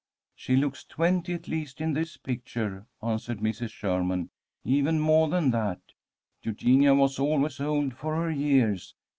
"She looks twenty at least in this picture," answered Mrs. Sherman, "even more than that. Eugenia was always old for her years.